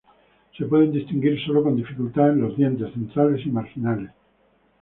Se pueden distinguir sólo con dificultad en los dientes centrales y marginales.